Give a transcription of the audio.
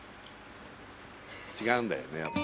違うんだよねやっぱ。